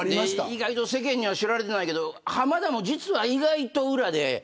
意外と世間には知られていないけど浜田も実は意外と裏で。